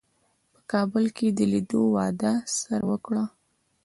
په کابل کې د لیدو وعده سره وکړه.